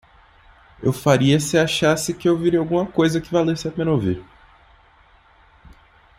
Eu faria se achasse que eu ouviria alguma coisa que valesse a pena ouvir.